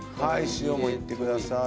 塩もいってください。